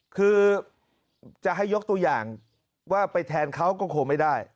คือจะให้ยกตัวอย่างว่าไปแทนเขาก็คงไม่ได้